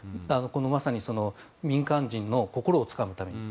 まさに民間人の心をつかむために。